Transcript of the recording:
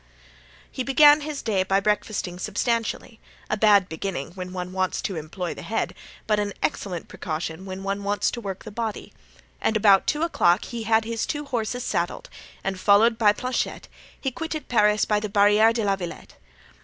He began his day by breakfasting substantially—a bad beginning when one wants to employ the head, but an excellent precaution when one wants to work the body; and about two o'clock he had his two horses saddled, and followed by Planchet he quitted Paris by the Barriere de la Villete.